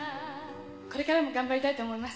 これからも頑張りたいと思います。